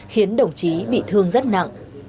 khiến đồng chí bị thương rất nặng